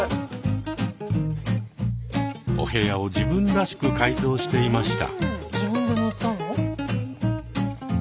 お部屋を自分らしく改造していました。